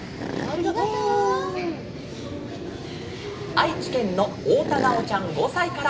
あいちけんのおおたなおちゃん５さいから。